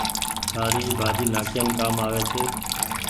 ٿآڙي ڀآڃي نآڪيم ڪآم آوي ڇي۔